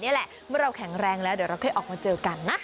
นี่แหละเมื่อเราแข็งแรงแล้วเดี๋ยวเราค่อยออกมาเจอกันนะ